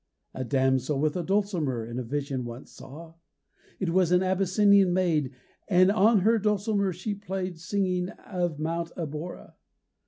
A damsel with a dulcimer In a vision once I saw: It was an Abyssinian maid, And on her dulcimer she played, Singing of Mount Abora.